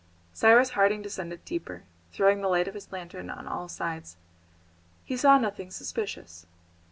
Cyrus Harding descended deeper, throwing the light of his lantern on all sides. He saw nothing suspicious.